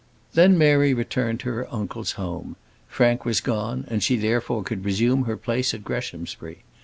Then Mary returned to her uncle's home. Frank was gone, and she therefore could resume her place at Greshamsbury.